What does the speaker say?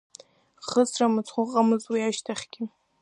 Хысра мыцхәы ыҟамызт уи ашьҭахьгьы.